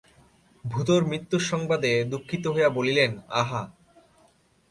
ভুতোর মৃত্যুসংবাদে দুঃখিত হইয়া বলিলেন, আহা!